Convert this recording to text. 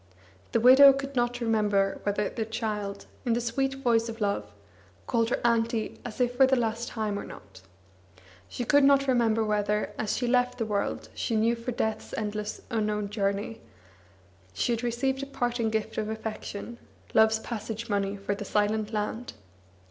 The widow could not remember whether the child, in the sweet voice of love, called her "Auntie," as if for the last time, or not; she could not remember whether, as she left the world she knew for death's endless unknown journey, she had received a parting gift of affection, love's passage money for the silent land.